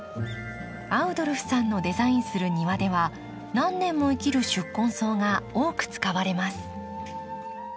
アウドルフさんのデザインする庭では何年も生きる宿根草が多く使われます。